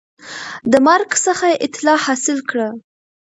د مرګ څخه یې اطلاع حاصل کړه